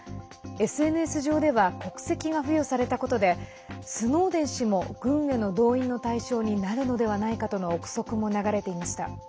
ＳＮＳ上では国籍が付与されたことでスノーデン氏も軍への動員の対象になるのではないかとの憶測も流れていました。